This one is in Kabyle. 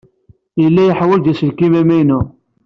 Yella yeḥwaj aselkim amaynu.